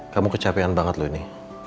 kamu kecapean banget loh ini